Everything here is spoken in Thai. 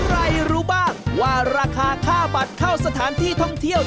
รู้บ้างว่าราคาค่าบัตรเข้าสถานที่ท่องเที่ยว